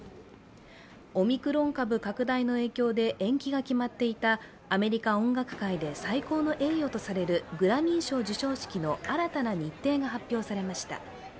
オミクロン株拡大の影響で延期が決まっていたアメリカ音楽界で最高の栄誉とされるグラミー賞授賞式の新たな日程が発表されました。